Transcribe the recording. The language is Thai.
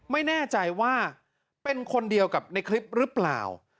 ไม่แน่ใจว่าเป็นคนเดียวกับในคลิปหรือเปล่า